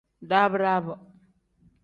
Dab-dab.